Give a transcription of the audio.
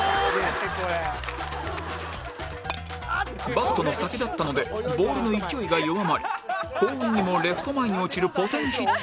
バットの先だったのでボールの勢いが弱まり幸運にもレフト前に落ちるポテンヒットに